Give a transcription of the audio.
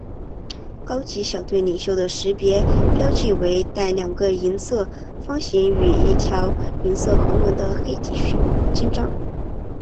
高级小队领袖的识别标记为带两个银色方形与一条银色横纹的黑底襟章。